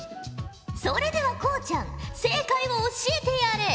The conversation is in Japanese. それではこうちゃん正解を教えてやれ。